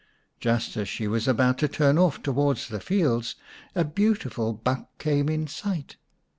Just as she was about to turn off towards the fields a beautiful buck came in sight.